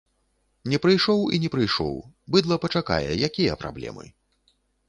Не прыйшоў і не прыйшоў, быдла пачакае, якія праблемы?